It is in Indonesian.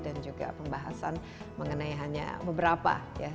dan juga pembahasan mengenai hanya beberapa ya